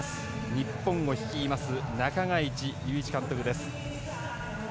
日本を率います中垣内祐一監督です。